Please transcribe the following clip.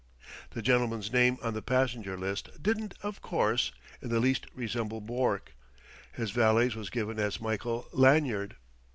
The gentleman's name on the passenger list didn't, of course, in the least resemble Bourke. His valet's was given as Michael Lanyard.